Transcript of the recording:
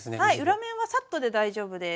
裏面はサッとで大丈夫です。